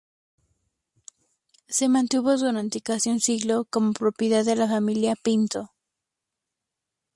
Se mantuvo durante casi un siglo como propiedad de la familia Pinto.